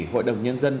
hội đồng nhân dân